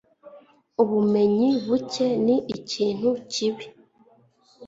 Ubumenyi buke ni ikintu kibi.